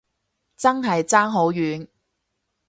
真係爭好遠